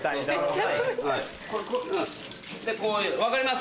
はい分かります。